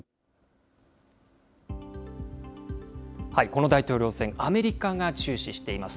この大統領選、アメリカが注視しています。